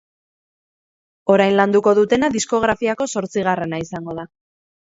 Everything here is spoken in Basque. Orain landuko dutena diskografiako zortzigarrena izango da.